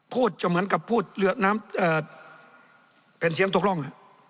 จะเหมือนกับพูดน้ำเป็นเสียงตกร่อง